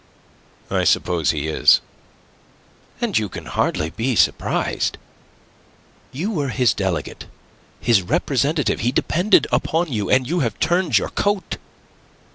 "I suppose he is." "And you can hardly be surprised. You were his delegate, his representative. He depended upon you, and you have turned your coat.